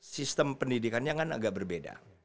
sistem pendidikannya kan agak berbeda